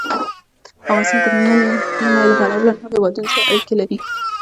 افغانستان د منی له پلوه له نورو هېوادونو سره اړیکې لري.